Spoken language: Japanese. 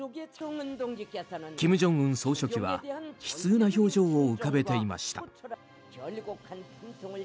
金正恩総書記は悲痛な表情を浮かべていました。